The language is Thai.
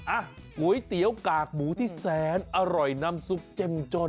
อ่ะก๋วยเตี๋ยวกากหมูที่แสนอร่อยน้ำซุปเจ้มจน